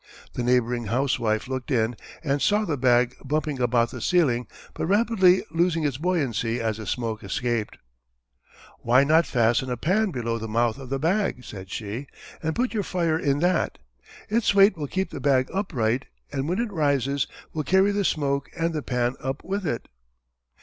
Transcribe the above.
A neighbouring housewife looked in, and saw the bag bumping about the ceiling, but rapidly losing its buoyancy as the smoke escaped. [Illustration: Montgolfier's Experimental Balloon.] "Why not fasten a pan below the mouth of the bag," said she, "and put your fire in that? Its weight will keep the bag upright, and when it rises will carry the smoke and the pan up with it."